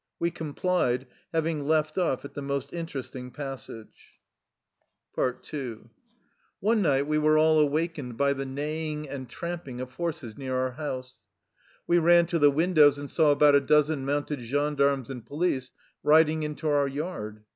We complied, having left off at the most in teresting passage. 35 THE LIFE STOEY OF A RUSSIAN EXILE П One night we were all awakened by the neigh ing and tramping of horses near our house. We ran to the windows and saw about a dozen mounted gendarmes and police riding into our yard.